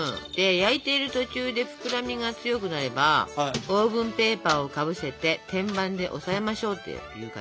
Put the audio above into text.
焼いている途中で膨らみが強くなればオーブンペーパーをかぶせて天板で押さえましょうっていう感じです。